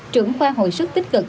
trưởng khoa hội sức tích cực